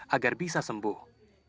agar bisa sembuh